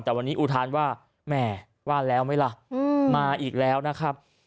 แต่วันนี้อุทานว่าแหมว่าแล้วไหมล่ะมาอีกแล้วนะครับ